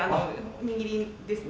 握りですね。